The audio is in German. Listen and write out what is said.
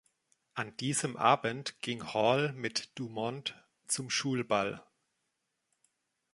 An diesem Abend ging Hall mit Dumond zum Schulball.